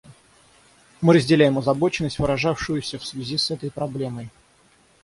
Мы разделяем озабоченность, выражавшуюся в связи с этой проблемой.